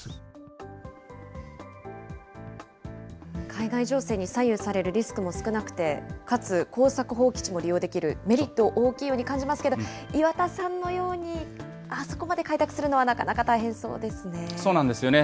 海外情勢に左右されるリスクも少なくて、かつ耕作放棄地も利用できる、メリット大きいように感じますけど、岩田さんのように、あそこまで開拓するのはなかなか大変そうですそうなんですよね。